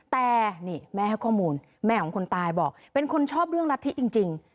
แต่นี่แม่ให้ข้อมูลแม่ของคนตายบอกเป็นคนชอบเรื่องรัฐธิจริง